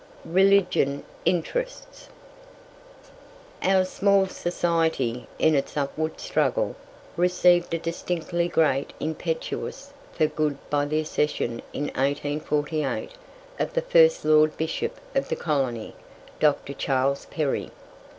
RELIGIOUS INTERESTS. Our small society, in its upward struggle, received a distinctly great impetus for good by the accession in 1848 of the first Lord Bishop of the colony, Dr. Charles Perry.